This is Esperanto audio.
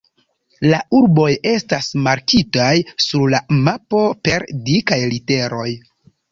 La urboj estas markitaj sur la mapo per dikaj literoj.